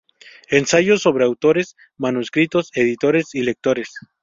Ensayos sobre autores, manuscritos, editores y lectores".